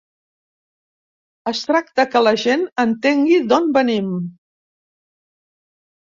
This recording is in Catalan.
Es tracta que la gent entengui d'on venim.